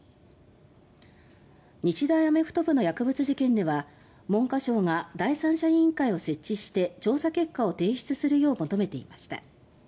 日大アメフト部の薬物事件では文科省が第三者委員会を設置して調査結果を提出するよう求めていました。